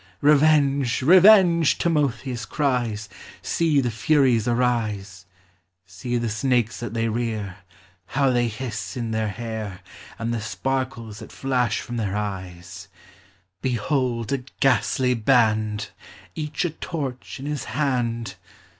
Revenge! revenge! Thnotheus cries, See the furies arise ! See the snakes that they rear, How they hiss in their hair, And the sparkles that Hash from their eyes I Behold a ghastly hand, Each a torch in his hand